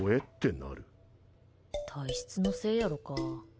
体質のせいやろか。